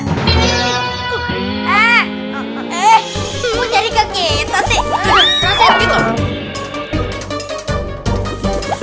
eh mau jadi kegiatan sih